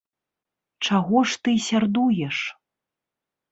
Чаго ж ты сярдуеш?